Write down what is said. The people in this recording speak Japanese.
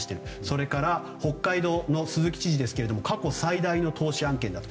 それから、北海道の鈴木知事は過去最大の投資案件だと。